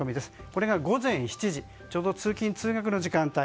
これが午前７時でちょうど通勤・通学の時間帯。